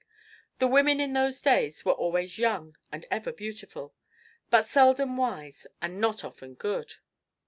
The women in those days were always young and ever beautiful, but seldom wise and not often good.